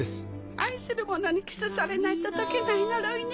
愛する者にキスされないと解けない呪いね。